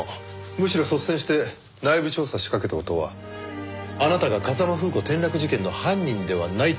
むしろ率先して内部調査を仕掛けた事はあなたが風間楓子転落事件の犯人ではないという傍証にもなる。